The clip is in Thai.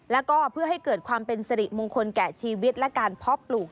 แล้วก็เพื่อให้เกิดความเป็นสิริมงคลแก่ชีวิตและการเพาะปลูก